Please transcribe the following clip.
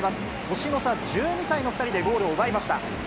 年の差１２歳の２人でゴールを奪いました。